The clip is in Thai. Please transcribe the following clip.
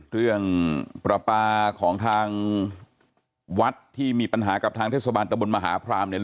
ประปาของทางวัดที่มีปัญหากับทางเทศบาลตะบนมหาพรามเนี่ย